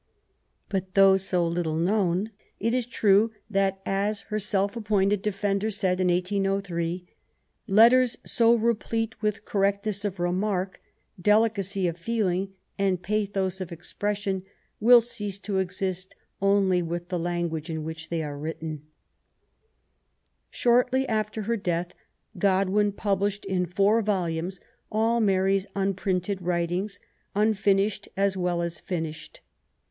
But though so little known, it is still true 168 MABY WOLLSTONECBAFT GODWIN. that, as her self appointed defender said in 1803^ '^Let ters so replete with correctness of remark, delicacy of feeling, and pathos of expression, will cease to exist only with the language in which they were written/' Shortly after her death, Godwin published in four volumes all Mary's unprinted writings, unfinished as well as finished.